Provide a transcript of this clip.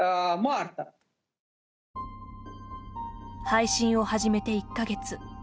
配信を始めて１か月。